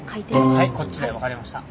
はいこっちで分かりました。